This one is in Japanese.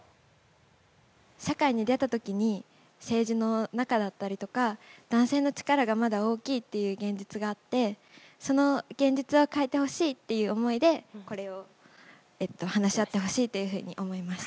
社会に出た時に政治の中だったりとか男性の力がまだ大きいっていう現実があってその現実を変えてほしいっていう思いでこれを話し合ってほしいというふうに思います。